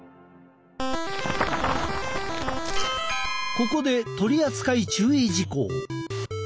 ここで取扱注意事項！